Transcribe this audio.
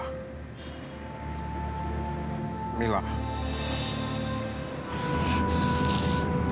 aku mau berbohong sama kamu